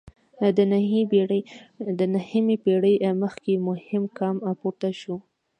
د نهمې پېړۍ مخکې مهم ګام پورته شو.